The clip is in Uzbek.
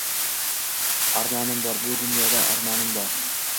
Armonim bor, bu dunyoda armonim bor